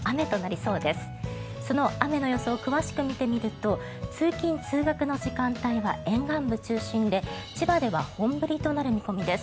その雨の予想を詳しく見てみると通勤・通学の時間帯は沿岸部中心で千葉では本降りとなる見込みです。